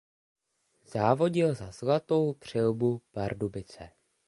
Závodil za Zlatou přilbu Pardubice.